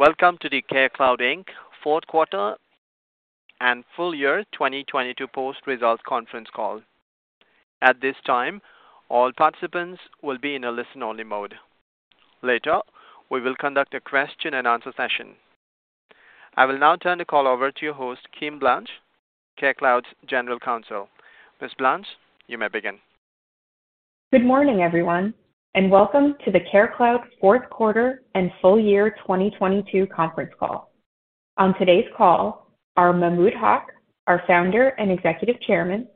Welcome to the CareCloud, Inc Fourth quarter and full year 2022 post-results conference call. At this time, all participants will be in a listen-only mode. Later, we will conduct a question-and-answer session. I will now turn the call over to your host, Kimberly Blanche, CareCloud's General Counsel. Ms. Blanche, you may begin. Good morning, everyone, and welcome to the CareCloud fourth quarter and full year 2022 conference call. On today's call are Mahmud Haq, our founder and Executive Chairman,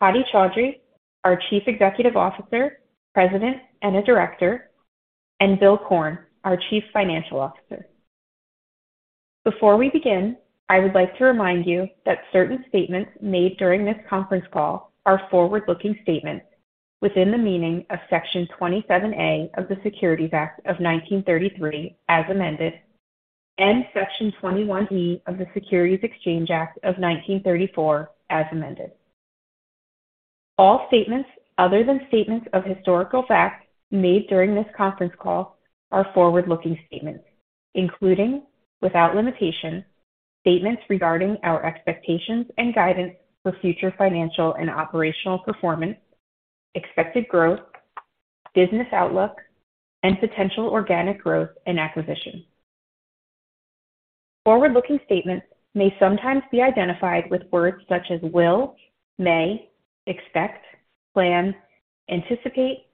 Hadi Chaudhry, our Chief Executive Officer, President, and a Director, and Bill Korn, our Chief Financial Officer. Before we begin, I would like to remind you that certain statements made during this conference call are forward-looking statements within the meaning of Section 27A of the Securities Act of 1933, as amended, and Section 21E of the Securities Exchange Act of 1934, as amended. All statements other than statements of historical fact made during this conference call are forward-looking statements, including, without limitation, statements regarding our expectations and guidance for future financial and operational performance, expected growth, business outlook, and potential organic growth and acquisition. Forward-looking statements may sometimes be identified with words such as will, may, expect, plan, anticipate,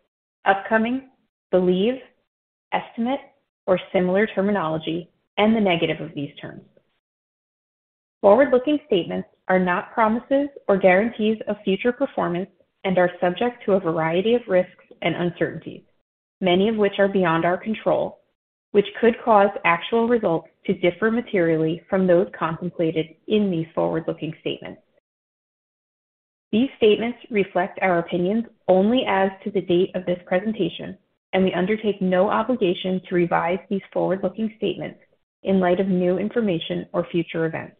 upcoming, believe, estimate, or similar terminology, and the negative of these terms. Forward-looking statements are not promises or guarantees of future performance and are subject to a variety of risks and uncertainties, many of which are beyond our control, which could cause actual results to differ materially from those contemplated in these forward-looking statements. These statements reflect our opinions only as to the date of this presentation. We undertake no obligation to revise these forward-looking statements in light of new information or future events.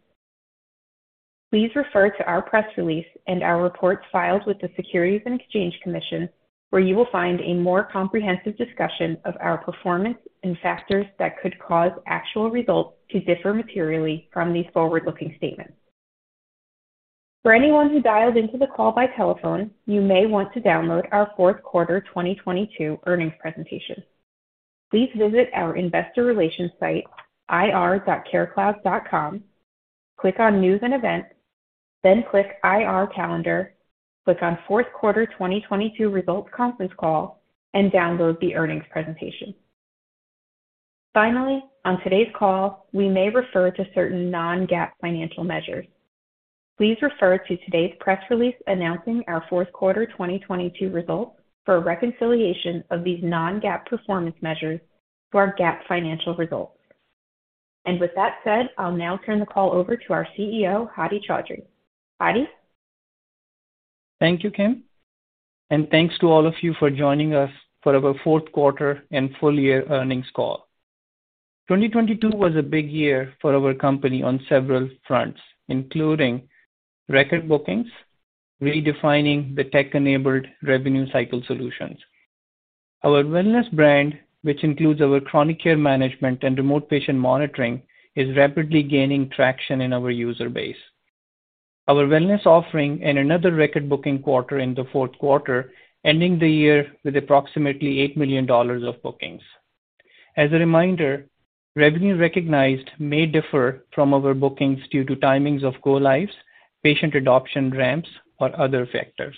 Please refer to our press release and our reports filed with the Securities and Exchange Commission, where you will find a more comprehensive discussion of our performance and factors that could cause actual results to differ materially from these forward-looking statements. For anyone who dialed into the call by telephone, you may want to download our fourth quarter 2022 earnings presentation. Please visit our investor relations site, ir.carecloud.com, click on News and Events, then click IR Calendar, click on Fourth Quarter 2022 Results Conference Call, and download the earnings presentation. Finally, on today's call, we may refer to certain non-GAAP financial measures. Please refer to today's press release announcing our fourth quarter 2022 results for a reconciliation of these non-GAAP performance measures to our GAAP financial results. With that said, I'll now turn the call over to our CEO, Hadi Chaudhry. Hadi? Thank you, Kim. Thanks to all of you for joining us for our fourth quarter and full-year earnings call. 2022 was a big year for our company on several fronts, including record bookings, redefining the tech-enabled revenue cycle solutions. Our wellness brand, which includes our Chronic Care Management and Remote Patient Monitoring, is rapidly gaining traction in our user base. Our wellness offering and another record booking quarter in the fourth quarter, ending the year with approximately $8 million of bookings. As a reminder, revenue recognized may differ from our bookings due to timings of go-lives, patient adoption ramps, or other factors.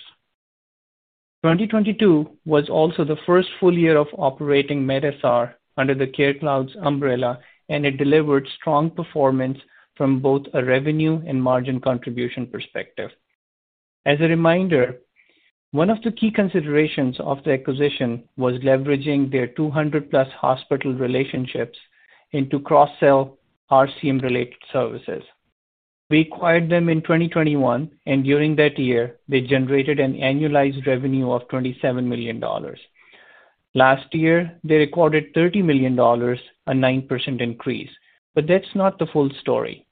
2022 was also the first full year of operating medSR under CareCloud's umbrella, and it delivered strong performance from both a revenue and margin contribution perspective. As a reminder, one of the key considerations of the acquisition was leveraging their 200+ hospital relationships into cross-sell RCM-related services. We acquired them in 2021, and during that year, they generated an annualized revenue of $27 million. Last year, they recorded $30 million, a 9% increase. That's not the full story.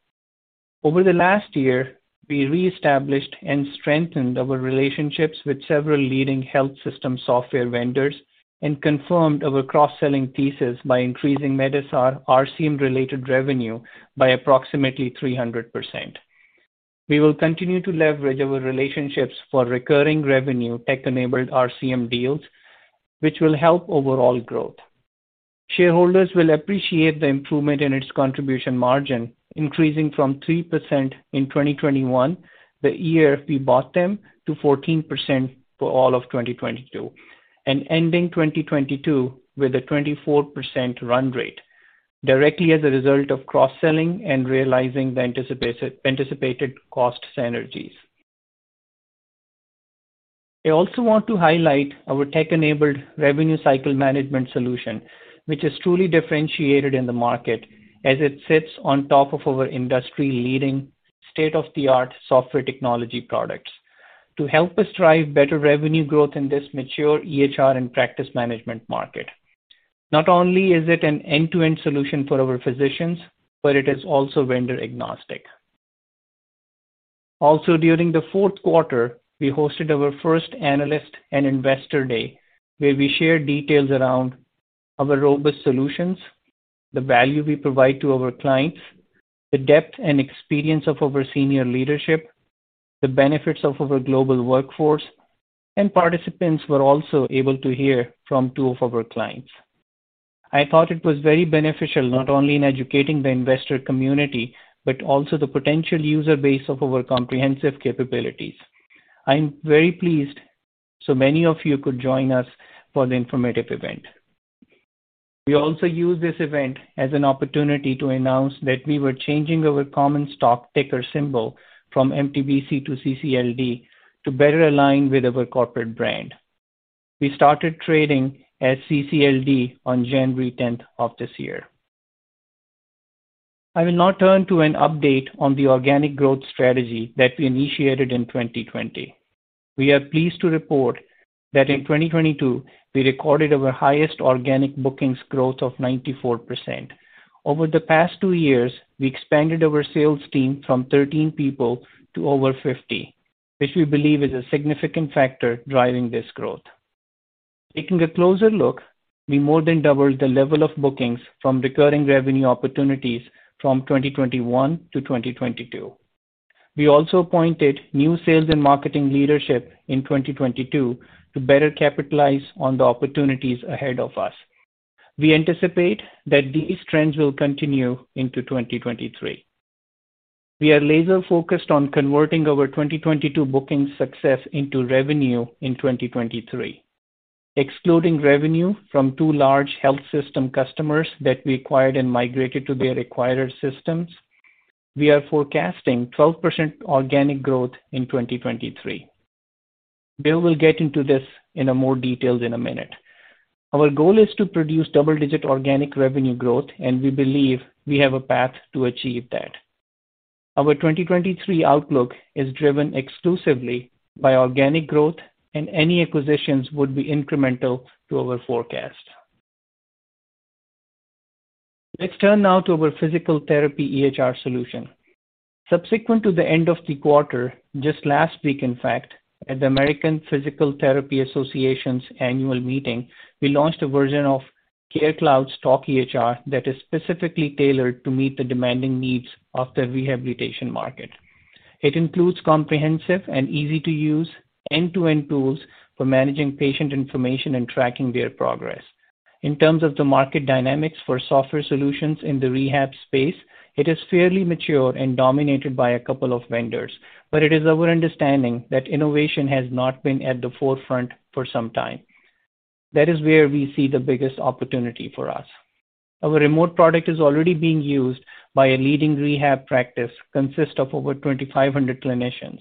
Over the last year, we reestablished and strengthened our relationships with several leading health system software vendors and confirmed our cross-selling thesis by increasing medSR RCM-related revenue by approximately 300%. We will continue to leverage our relationships for recurring revenue tech-enabled RCM deals, which will help overall growth. Shareholders will appreciate the improvement in its contribution margin, increasing from 3% in 2021, the year we bought them, to 14% for all of 2022, and ending 2022 with a 24% run rate directly as a result of cross-selling and realizing the anticipated cost synergies. I also want to highlight our tech-enabled revenue cycle management solution, which is truly differentiated in the market as it sits on top of our industry-leading state-of-the-art software technology products to help us drive better revenue growth in this mature EHR and practice management market. Not only is it an end-to-end solution for our physicians, but it is also vendor-agnostic. During the fourth quarter, we hosted our first analyst and investor day, where we shared details around our robust solutions, the value we provide to our clients, the depth and experience of our senior leadership, the benefits of our global workforce, and participants were also able to hear from two of our clients. I thought it was very beneficial not only in educating the investor community, but also the potential user base of our comprehensive capabilities. I'm very pleased so many of you could join us for the informative event. We also used this event as an opportunity to announce that we were changing our common stock ticker symbol from MTBC to CCLD to better align with our corporate brand. We started trading as CCLD on January 10 of this year. I will now turn to an update on the organic growth strategy that we initiated in 2020. We are pleased to report that in 2022 we recorded our highest organic bookings growth of 94%. Over the past two years, we expanded our sales team from 13 people to over 50, which we believe is a significant factor driving this growth. Taking a closer look, we more than doubled the level of bookings from recurring revenue opportunities from 2021-2022. We also appointed new sales and marketing leadership in 2022 to better capitalize on the opportunities ahead of us. We anticipate that these trends will continue into 2023. We are laser focused on converting our 2022 booking success into revenue in 2023. Excluding revenue from two large health system customers that we acquired and migrated to their acquirers systems, we are forecasting 12% organic growth in 2023. Bill will get into this in a more details in a minute. Our goal is to produce double-digit organic revenue growth, and we believe we have a path to achieve that. Our 2023 outlook is driven exclusively by organic growth and any acquisitions would be incremental to our forecast. Let's turn now to our physical therapy EHR solution. Subsequent to the end of the quarter, just last week in fact, at the American Physical Therapy Association's annual meeting, we launched a version of CareCloud's talkEHR that is specifically tailored to meet the demanding needs of the rehabilitation market. It includes comprehensive and easy-to-use end-to-end tools for managing patient information and tracking their progress. In terms of the market dynamics for software solutions in the rehab space, it is fairly mature and dominated by a couple of vendors. It is our understanding that innovation has not been at the forefront for some time. That is where we see the biggest opportunity for us. Our remote product is already being used by a leading rehab practice consist of over 2,500 clinicians.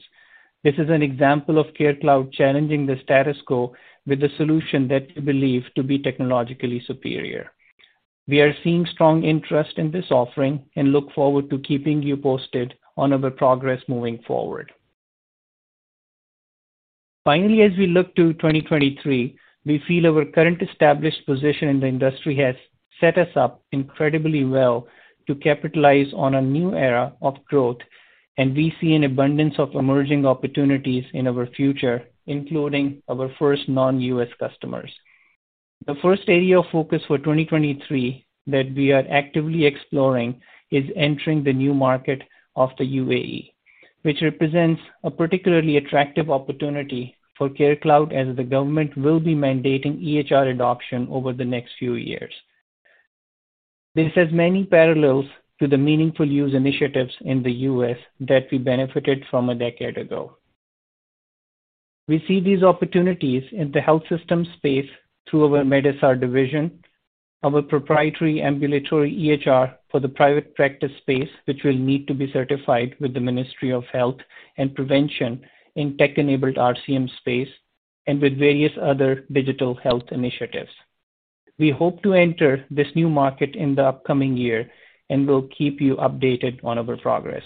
This is an example of CareCloud challenging the status quo with a solution that we believe to be technologically superior. We are seeing strong interest in this offering and look forward to keeping you posted on our progress moving forward. Finally, as we look to 2023, we feel our current established position in the industry has set us up incredibly well to capitalize on a new era of growth. We see an abundance of emerging opportunities in our future, including our first non-U.S. customers. The first area of focus for 2023 that we are actively exploring is entering the new market of the UAE, which represents a particularly attractive opportunity for CareCloud as the government will be mandating EHR adoption over the next few years. This has many parallels to the meaningful use initiatives in the U.S. that we benefited from a decade ago. We see these opportunities in the health systems space through our medSR division, our proprietary ambulatory EHR for the private practice space, which will need to be certified with the Ministry of Health, and prevention in tech-enabled RCM space and with various other digital health initiatives. We hope to enter this new market in the upcoming year, and we'll keep you updated on our progress.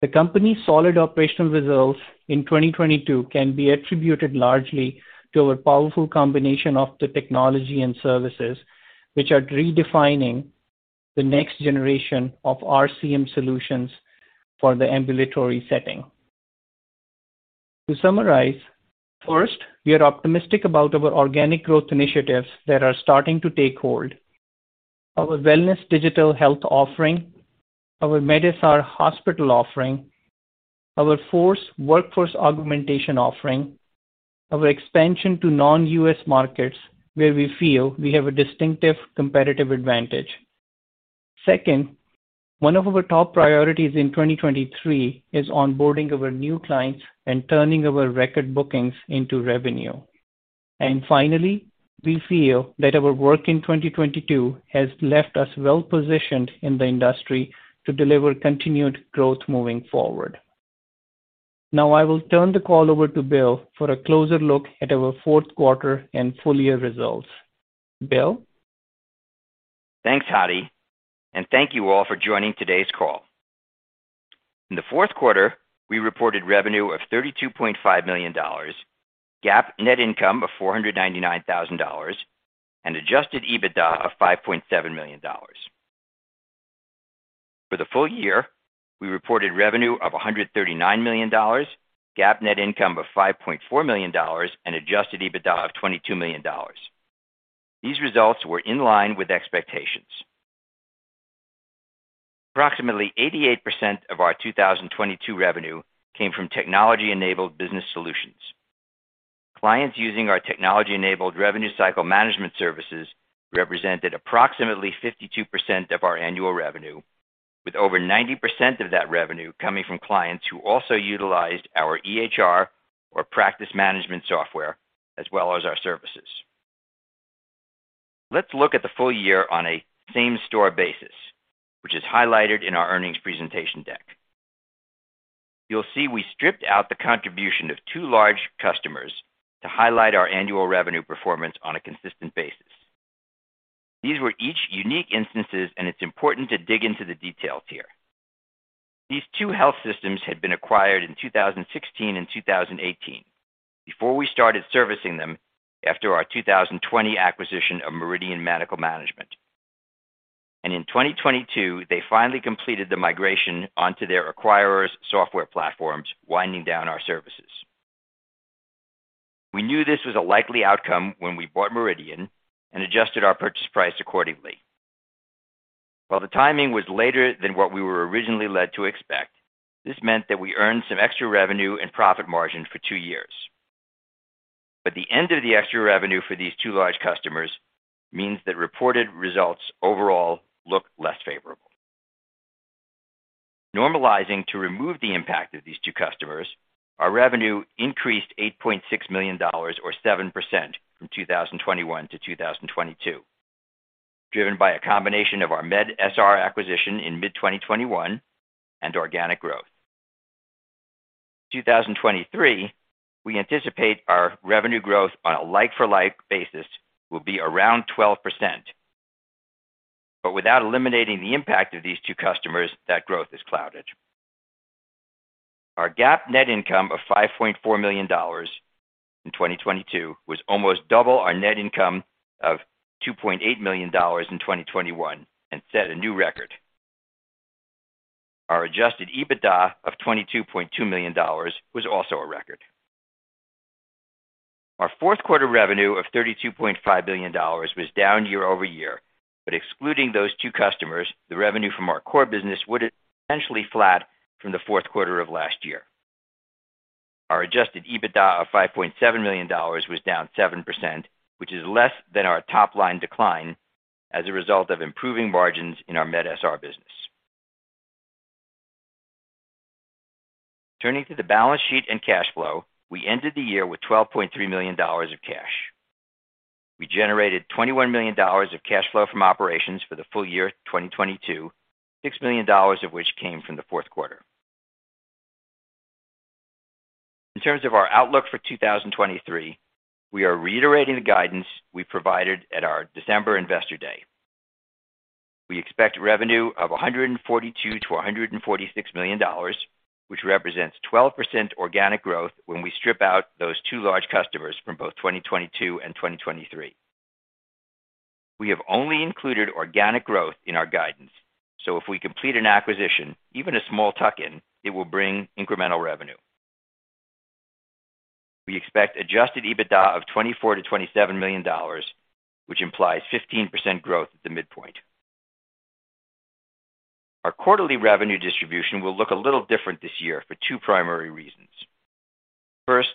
The company's solid operational results in 2022 can be attributed largely to our powerful combination of the technology and services which are redefining the next generation of RCM solutions for the ambulatory setting. To summarize, first, we are optimistic about our organic growth initiatives that are starting to take hold. Our Wellness digital health offering, our medSR hospital offering, our Force workforce augmentation offering, our expansion to non-U.S. markets where we feel we have a distinctive competitive advantage. Second, one of our top priorities in 2023 is onboarding our new clients and turning our record bookings into revenue. Finally, we feel that our work in 2022 has left us well-positioned in the industry to deliver continued growth moving forward. Now I will turn the call over to Bill for a closer look at our fourth quarter and full year results. Bill? Thanks, Hadi. Thank you all for joining today's call. In the fourth quarter, we reported revenue of $32.5 million. GAAP net income of $499,000 and adjusted EBITDA of $5.7 million. For the full year, we reported revenue of $139 million, GAAP net income of $5.4 million, and adjusted EBITDA of $22 million. These results were in line with expectations. Approximately 88% of our 2022 revenue came from technology-enabled business solutions. Clients using our technology-enabled revenue cycle management services represented approximately 52% of our annual revenue, with over 90% of that revenue coming from clients who also utilized our EHR or practice management software as well as our services. Let's look at the full year on a same-store basis, which is highlighted in our earnings presentation deck. You'll see we stripped out the contribution of two large customers to highlight our annual revenue performance on a consistent basis. These were each unique instances. It's important to dig into the details here. These two health systems had been acquired in 2016 and 2018 before we started servicing them after our 2020 acquisition of Meridian Medical Management. In 2022, they finally completed the migration onto their acquirers software platforms, winding down our services. We knew this was a likely outcome when we bought Meridian and adjusted our purchase price accordingly. While the timing was later than what we were originally led to expect, this meant that we earned some extra revenue and profit margin for two years. The end of the extra revenue for these two large customers means that reported results overall look less favorable. Normalizing to remove the impact of these two customers, our revenue increased $8.6 million or 7% from 2021-2022, driven by a combination of our medSR acquisition in mid-2021 and organic growth. In 2023, we anticipate our revenue growth on a like-for-like basis will be around 12%. Without eliminating the impact of these two customers, that growth is clouded. Our GAAP net income of $5.4 million in 2022 was almost double our net income of $2.8 million in 2021 and set a new record. Our adjusted EBITDA of $22.2 million was also a record. Our fourth quarter revenue of $32.5 million was down year-over-year. Excluding those two customers, the revenue from our core business would have been essentially flat from the fourth quarter of last year. Our adjusted EBITDA of $5.7 million was down 7%, which is less than our top-line decline as a result of improving margins in our medSR business. Turning to the balance sheet and cash flow, we ended the year with $12.3 million of cash. We generated $21 million of cash flow from operations for the full year 2022, $6 million of which came from the fourth quarter. In terms of our outlook for 2023, we are reiterating the guidance we provided at our December Investor Day. We expect revenue of $142 million-$146 million, which represents 12% organic growth when we strip out those two large customers from both 2022 and 2023. We have only included organic growth in our guidance, so if we complete an acquisition, even a small tuck-in, it will bring incremental revenue. We expect adjusted EBITDA of $24 million-$27 million, which implies 15% growth at the midpoint. Our quarterly revenue distribution will look a little different this year for two primary reasons. First,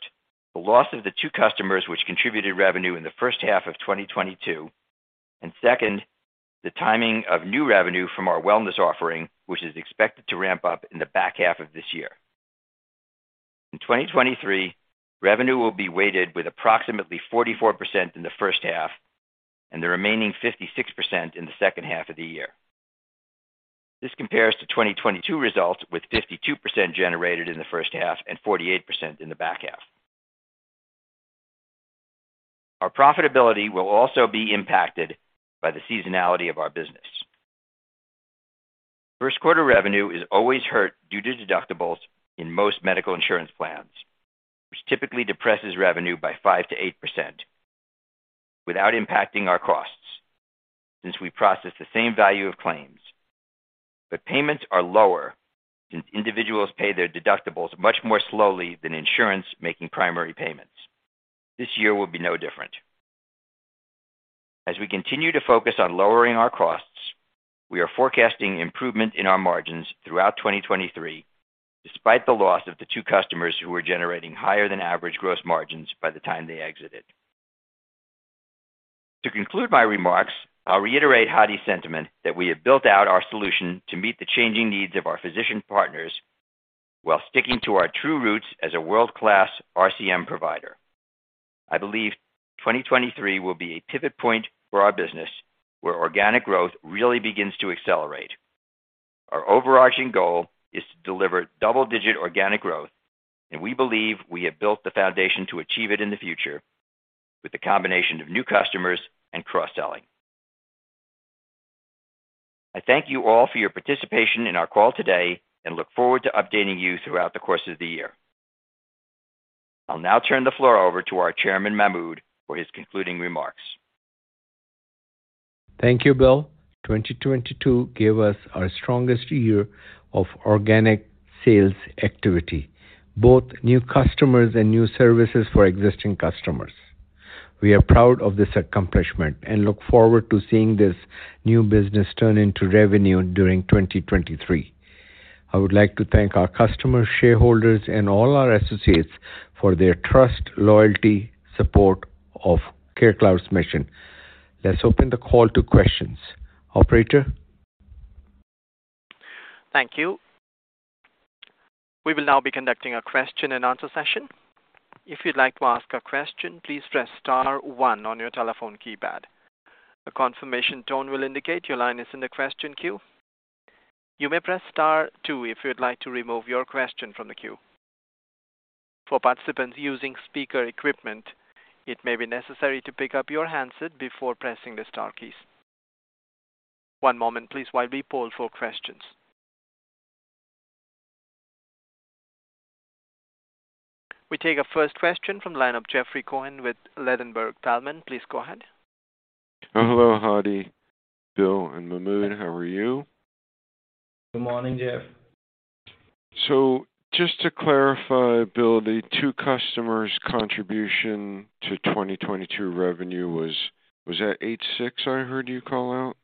the loss of the two customers which contributed revenue in the first half of 2022, and second, the timing of new revenue from our wellness offering, which is expected to ramp up in the back half of this year. In 2023, revenue will be weighted with approximately 44% in the first half and the remaining 56% in the second half of the year. This compares to 2022 results, with 52% generated in the first half and 48% in the back half. Our profitability will also be impacted by the seasonality of our business. First quarter revenue is always hurt due to deductibles in most medical insurance plans, which typically depresses revenue by 5%-8% without impacting our costs since we process the same value of claims. Payments are lower since individuals pay their deductibles much more slowly than insurance making primary payments. This year will be no different. As we continue to focus on lowering our costs, we are forecasting improvement in our margins throughout 2023, despite the loss of the two customers who are generating higher than average gross margins by the time they exited. To conclude my remarks, I'll reiterate Hadi's sentiment that we have built out our solution to meet the changing needs of our physician partners while sticking to our true roots as a world-class RCM provider. I believe 2023 will be a pivot point for our business where organic growth really begins to accelerate. Our overarching goal is to deliver double-digit organic growth, and we believe we have built the foundation to achieve it in the future with the combination of new customers and cross-selling. I thank you all for your participation in our call today and look forward to updating you throughout the course of the year. I'll now turn the floor over to our Chairman, Mahmud, for his concluding remarks. Thank you, Bill. 2022 gave us our strongest year of organic sales activity, both new customers and new services for existing customers. We are proud of this accomplishment and look forward to seeing this new business turn into revenue during 2023. I would like to thank our customers, shareholders, and all our associates for their trust, loyalty, support of CareCloud's mission. Let's open the call to questions. Operator? Thank you. We will now be conducting a question and answer session. If you'd like to ask a question, please press star one on your telephone keypad. A confirmation tone will indicate your line is in the question queue. You may press star two if you'd like to remove your question from the queue. For participants using speaker equipment, it may be necessary to pick up your handset before pressing the star keys. One moment please while we poll for questions. We take our first question from the line of Jeffrey Cohen with Ladenburg Thalmann. Please go ahead. Hello, Hadi, Bill, and Mahmud. How are you? Good morning, Jeff. just to clarify, Bill, the two customers' contribution to 2022 revenue was... Was that $86 I heard you call out?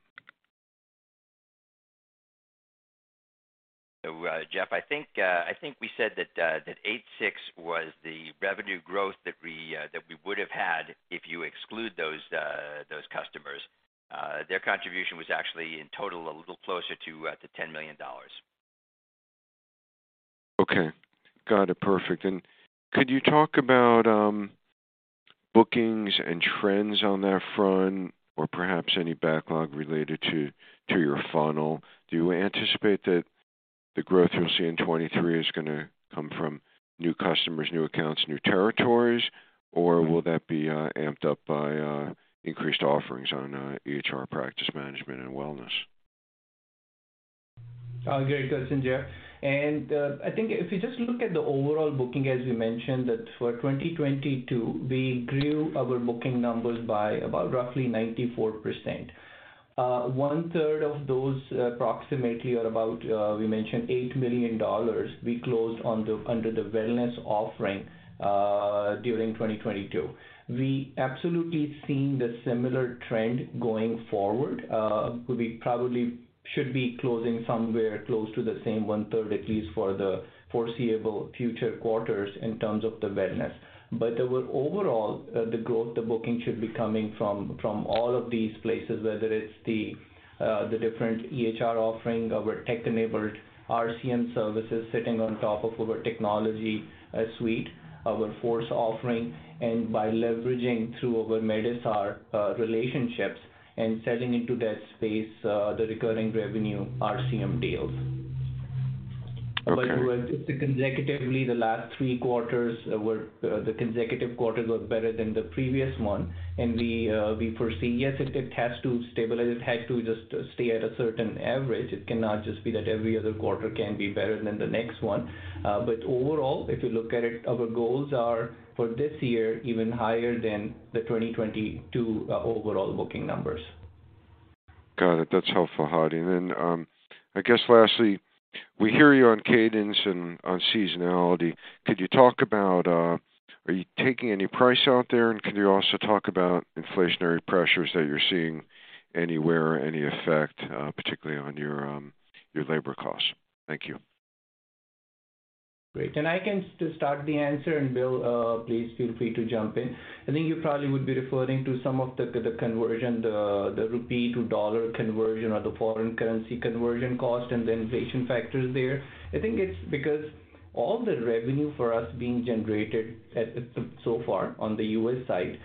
Jeff, I think, I think we said that 86 was the revenue growth that we, that we would have had if you exclude those customers. Their contribution was actually in total a little closer to $10 million. Okay. Got it. Perfect. Could you talk about bookings and trends on that front or perhaps any backlog related to your funnel? Do you anticipate that the growth you'll see in 2023 is gonna come from new customers, new accounts, new territories? Will that be amped up by increased offerings on EHR practice management and wellness? Great question, Jeff. I think if you just look at the overall booking, as we mentioned, that for 2022, we grew our booking numbers by about roughly 94%. One-third of those approximately are about, we mentioned $8 million we closed under the wellness offering during 2022. We absolutely seen the similar trend going forward. We probably should be closing somewhere close to the same 1/3, at least for the foreseeable future quarters in terms of the wellness. There were overall, the growth, the booking should be coming from all of these places, whether it's the different EHR offering, our tech-enabled RCM services sitting on top of our technology suite, our Force offering, and by leveraging through our medSR relationships and selling into that space, the recurring revenue RCM deals. Okay. Consecutively, the last three quarters were, the consecutive quarters were better than the previous one. We foresee, yes, it has to stabilize. It has to just stay at a certain average. It cannot just be that every other quarter can be better than the next one. Overall, if you look at it, our goals are for this year, even higher than the 2022, overall booking numbers. Got it. That's helpful, Hadi. I guess lastly, we hear you on cadence and on seasonality. Could you talk about, are you taking any price out there? Could you also talk about inflationary pressures that you're seeing anywhere, any effect, particularly on your labor costs? Thank you. Great. I can start the answer, Bill, please feel free to jump in. I think you probably would be referring to some of the conversion, the rupee to dollar conversion or the foreign currency conversion cost and the inflation factors there. I think it's because all the revenue for us being generated at so far on the U.S. side.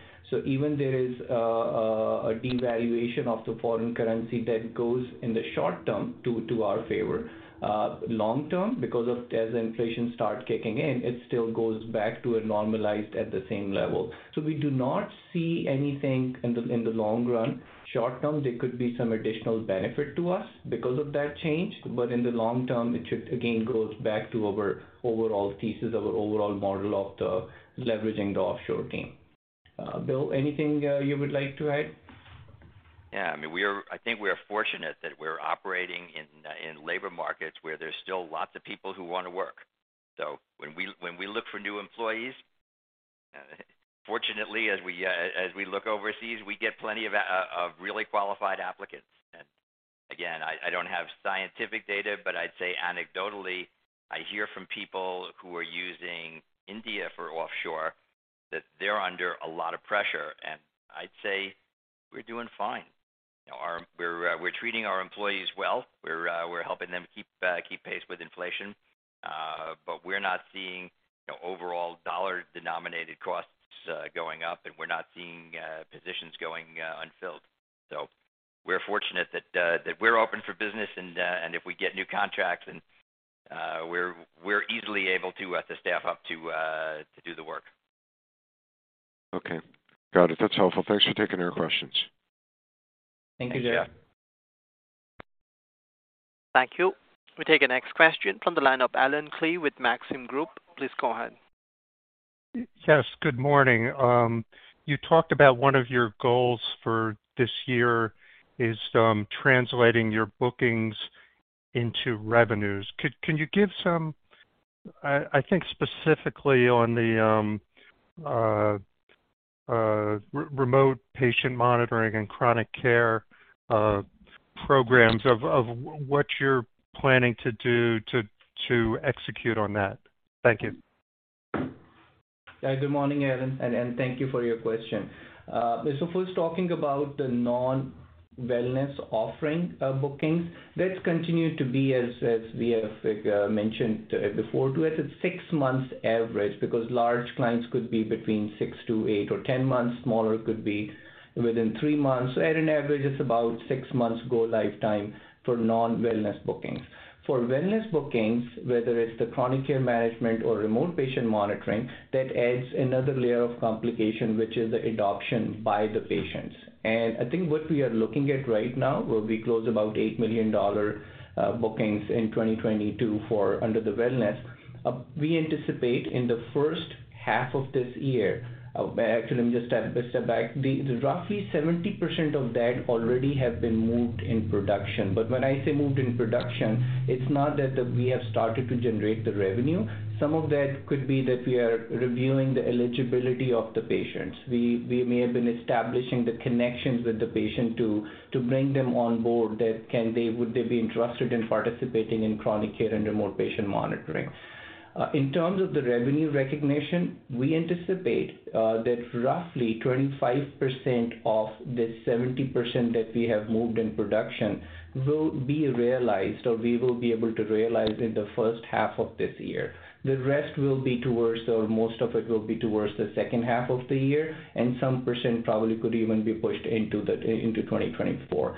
Even there is a devaluation of the foreign currency that goes in the short term to our favor. Long term, because of as inflation starts kicking in, it still goes back to a normalized at the same level. We do not see anything in the long run. Short term, there could be some additional benefit to us because of that change. In the long term, it should again, goes back to our overall thesis, our overall model of the leveraging the offshore team. Bill, anything, you would like to add? I mean, I think we are fortunate that we're operating in labor markets where there's still lots of people who want to work. When we look for new employees, fortunately, as we look overseas, we get plenty of really qualified applicants. Again, I don't have scientific data, but I'd say anecdotally, I hear from people who are using India for offshore that they're under a lot of pressure. I'd say we're doing fine. You know, we're treating our employees well. We're helping them keep pace with inflation. We're not seeing, you know, overall dollar-denominated costs going up, and we're not seeing positions going unfilled. We're fortunate that we're open for business and if we get new contracts and we're easily able to staff up to do the work. Okay. Got it. That's helpful. Thanks for taking our questions. Thank you, Jeff. Thank you. We take the next question from the line of Allen Klee with Maxim Group. Please go ahead. Yes, good morning. You talked about one of your goals for this year is, translating your bookings into revenues. Can you give some I think specifically on the Remote Patient Monitoring and Chronic Care programs of what you're planning to do to execute on that? Thank you. Good morning, Allen, and thank you for your question. First talking about the non-wellness offering bookings, that's continued to be as we have mentioned before to us, it's six months average because large clients could be between six to eight or 10 months. Smaller could be within three months. At an average, it's about six months go-live time for non-wellness bookings. For wellness bookings, whether it's the Chronic Care Management or Remote Patient Monitoring, that adds another layer of complication, which is the adoption by the patients. I think what we are looking at right now, where we close about $8 million bookings in 2022 for under the wellness, we anticipate in the first half of this year. Actually, let me just step back. Roughly 70% of that already have been moved in production. When I say moved in production, it's not that we have started to generate the revenue. Some of that could be that we are reviewing the eligibility of the patients. We may have been establishing the connections with the patient to bring them on board that would they be interested in participating in Chronic Care Management and Remote Patient Monitoring. In terms of the revenue recognition, we anticipate that roughly 25% of the 70% that we have moved in production will be realized or we will be able to realize in the first half of this year. The rest will be towards most of it will be towards the second half of the year, and some percent probably could even be pushed into 2024.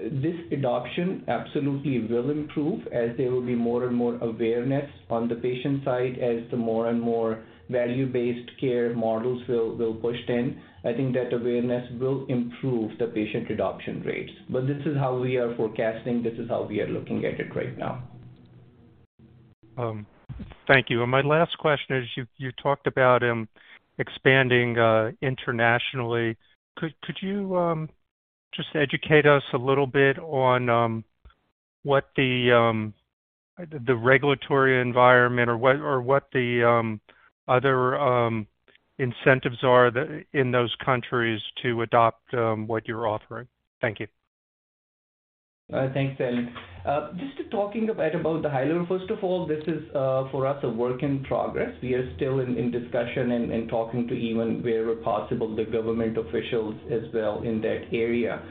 This adoption absolutely will improve as there will be more and more awareness on the patient side as the more and more value-based care models will pushed in. I think that awareness will improve the patient adoption rates. This is how we are forecasting, this is how we are looking at it right now. Thank you. My last question is, you talked about expanding internationally. Could you just educate us a little bit on what the regulatory environment or what the other incentives are that in those countries to adopt what you're offering? Thank you. Thanks, Allen. Just talking about the high level, first of all, this is for us, a work in progress. We are still in discussion and talking to even wherever possible, the government officials as well in that area.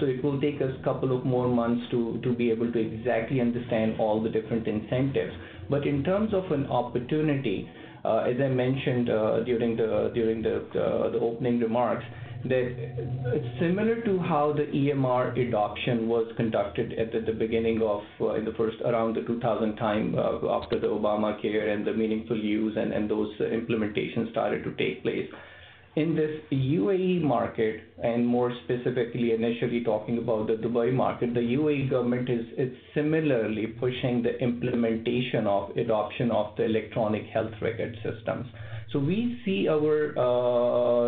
It will take us couple of more months to be able to exactly understand all the different incentives. In terms of an opportunity, as I mentioned during the opening remarks, that it's similar to how the EMR adoption was conducted at the beginning of in the first around the 2000 time, after the Obamacare and the meaningful use and those implementations started to take place. In this UAE market, and more specifically initially talking about the Dubai market, the UAE government is similarly pushing the implementation of adoption of the electronic health record systems. We see our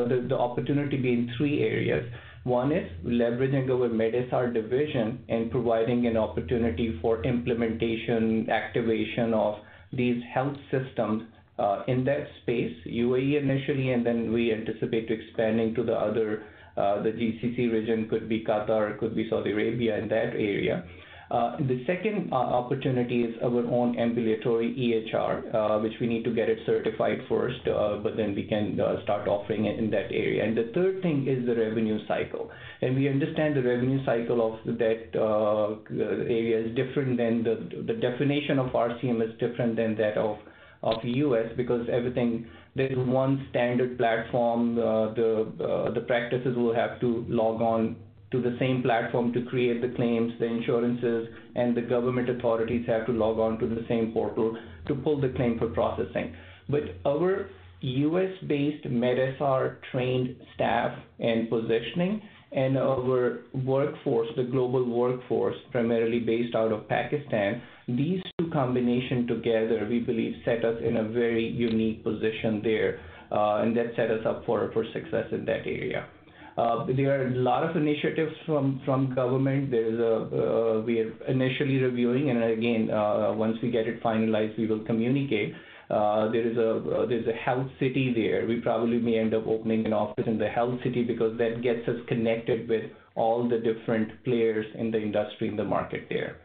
the opportunity being three areas. One is leveraging our medSR division and providing an opportunity for implementation, activation of these health systems in that space, UAE initially, and then we anticipate expanding to the other the GCC region, could be Qatar, it could be Saudi Arabia in that area. The second opportunity is our own ambulatory EHR, which we need to get it certified first, but then we can start offering it in that area. The third thing is the revenue cycle. We understand the revenue cycle of that area is different than the definition of RCM is different than that of U.S. because everything there is one standard platform. The practices will have to log on to the same platform to create the claims, the insurances, and the government authorities have to log on to the same portal to pull the claim for processing. Our U.S.-based medSR trained staff and positioning and our workforce, the global workforce, primarily based out of Pakistan, these two combination together, we believe, set us in a very unique position there, and that set us up for success in that area. There are a lot of initiatives from government. We are initially reviewing, and again, once we get it finalized, we will communicate. There's a Health City there. We probably may end up opening an office in the Health City because that gets us connected with all the different players in the industry, in the market there.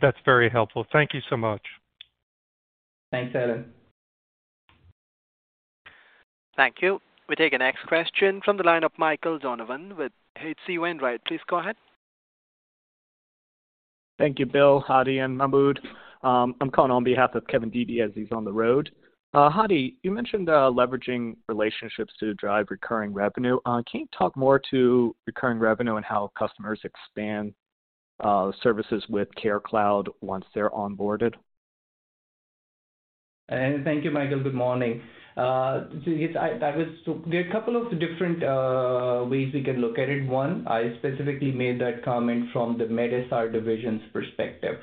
That's very helpful. Thank you so much. Thanks, Allen. Thank you. We take the next question from the line of Michael Donovan with H.C. Wainwright. Please go ahead. Thank you, Bill, Hadi, and Mahmud. I'm calling on behalf of Kevin Dede. He's on the road. Hadi, you mentioned, leveraging relationships to drive recurring revenue. Can you talk more to recurring revenue and how customers expand- services with CareCloud once they're onboarded. Thank you, Michael. Good morning. Yes, there are a couple of different ways we can look at it. One, I specifically made that comment from the medSR divisions perspective.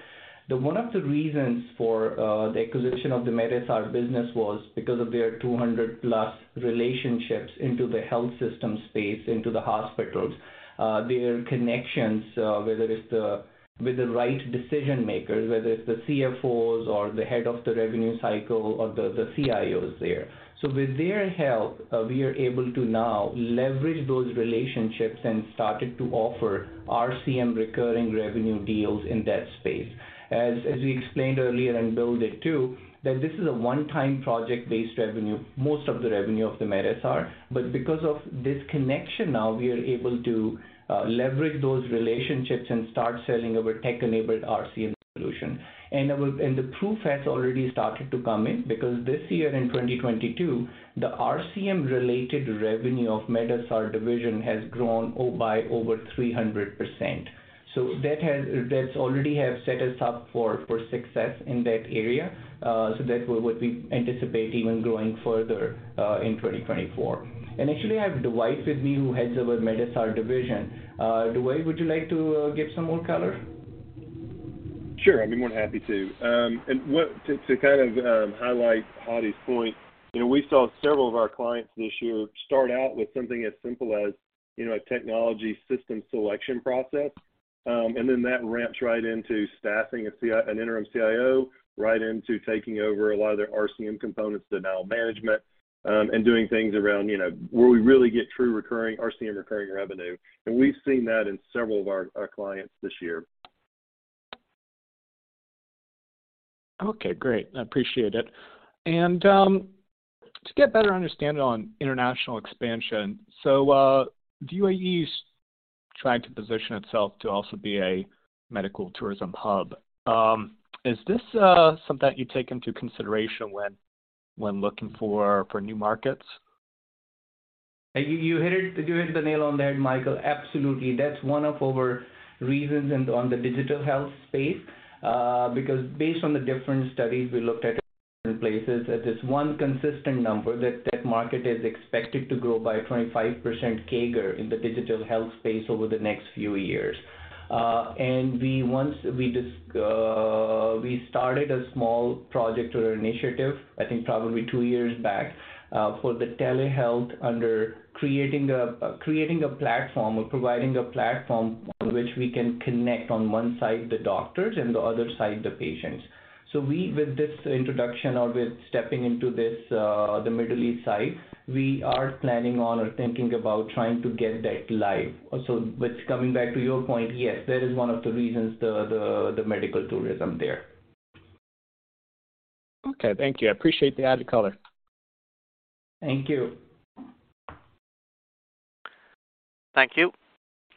One of the reasons for the acquisition of the medSR business was because of their 200+ relationships into the health system space, into the hospitals. Their connections, whether it's with the right decision makers, whether it's the CFOs or the head of the revenue cycle or the CIOs there. With their help, we are able to now leverage those relationships and started to offer RCM recurring revenue deals in that space. As we explained earlier and build it too, that this is a one-time project-based revenue, most of the revenue of the medSR. Because of this connection now we are able to leverage those relationships and start selling our tech-enabled RCM solution. The proof has already started to come in because this year in 2022, the RCM related revenue of medSR division has grown by over 300%. That's already have set us up for success in that area. We would be anticipate even growing further in 2024. Actually I have Dwight with me, who heads over medSR division. Dwight, would you like to give some more color? Sure, I'd be more than happy to. To highlight Hadi's point, you know, we saw several of our clients this year start out with something as simple as, you know, a technology system selection process. That ramps right into staffing an interim CIO, right into taking over a lot of their RCM components, denial management, and doing things around, you know, where we really get true recurring RCM revenue. We've seen that in several of our clients this year. Okay, great. I appreciate it. To get better understanding on international expansion. The UAE is trying to position itself to also be a medical tourism hub. Is this something you take into consideration when looking for new markets? You hit the nail on the head, Michael. Absolutely. That's one of our reasons in, on the digital health space. Because based on the different studies we looked at in places, that there's one consistent number that that market is expected to grow by 25% CAGR in the digital health space over the next few years. Once we started a small project or initiative, I think probably two years back, for the telehealth under creating a platform or providing a platform on which we can connect on one side, the doctors, and the other side, the patients. With this introduction or with stepping into this, the Middle East side, we are planning on or thinking about trying to get that live. Which coming back to your point, yes, that is one of the reasons the medical tourism there. Okay. Thank you. I appreciate the added color. Thank you. Thank you.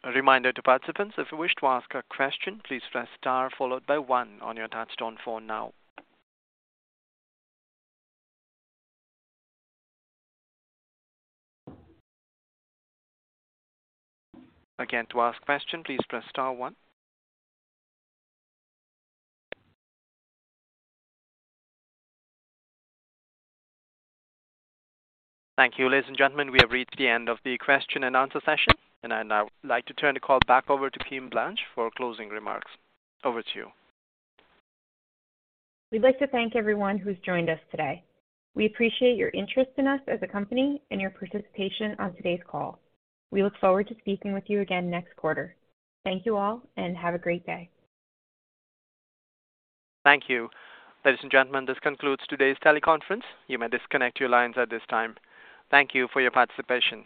A reminder to participants, if you wish to ask a question, please press star followed by one on your touch tone phone now. Again, to ask question, please press star one. Thank you. Ladies and gentlemen, we have reached the end of the question and answer session, I'd now like to turn the call back over to Kimberly Blanche for closing remarks. Over to you. We'd like to thank everyone who's joined us today. We appreciate your interest in us as a company and your participation on today's call. We look forward to speaking with you again next quarter. Thank you all and have a great day. Thank you. Ladies and gentlemen, this concludes today's teleconference. You may disconnect your lines at this time. Thank you for your participation.